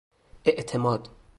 اِعتماد